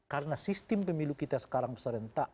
karena sistem pemilu kita sekarang serentak